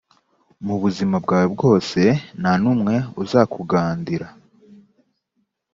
mu buzima bwawe bwose, nta n’umwe uzakugandira.